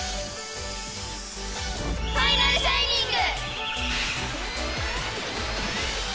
ファイナルシャイニング！